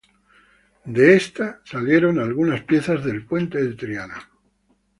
De esta salieron algunas piezas del Puente de Triana.